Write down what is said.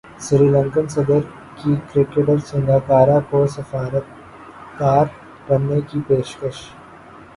سری لنکن صدر کی کرکٹر سنگاکارا کو سفارتکار بننے کی پیشکش